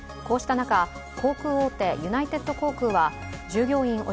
こうした中、航空大手ユナイテッド航空は従業員